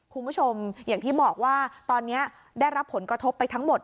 คุณผู้ชมอย่างที่บอกว่าตอนนี้ได้รับผลกระทบไปทั้งหมด